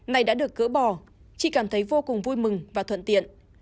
này đã được gỡ bỏ chị cảm thấy vô cùng vui mừng và thuận tiện